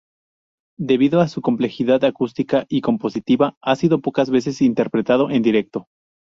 Debido a su complejidad acústica y compositiva, ha sido pocas veces interpretado en directo.